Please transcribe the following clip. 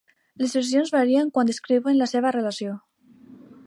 Les versions varien quan descriuen la seva relació.